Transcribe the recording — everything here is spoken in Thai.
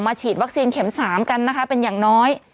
ฉีดวัคซีนเข็ม๓กันนะคะเป็นอย่างน้อย